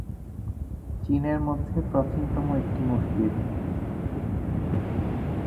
চীনের মধ্যে প্রাচীনতম একটি মসজিদ।